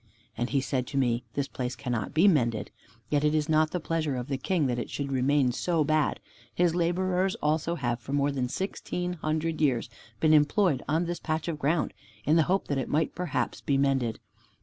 And he said to me, "This place cannot be mended, yet it is not the pleasure of the King that it should remain so bad. His laborers also have for more than sixteen hundred years been employed on this patch of ground, in the hope that it might perhaps be mended.